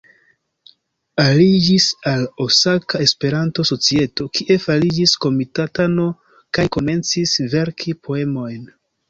Aliĝis al Osaka Esperanto-Societo, kie fariĝis komitatano, kaj komencis verki poemojn.